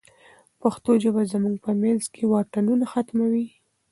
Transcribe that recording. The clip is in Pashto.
پښتو ژبه زموږ په منځ کې واټنونه ختموي.